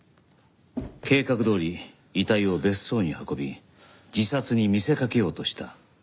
計画どおり遺体を別荘に運び自殺に見せかけようとした。